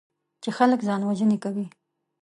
چې خلک ځانوژنې کوي.